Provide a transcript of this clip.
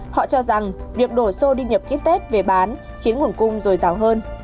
họ cho rằng việc đổ xô đi nhập ký tết về bán khiến nguồn cung dồi dào hơn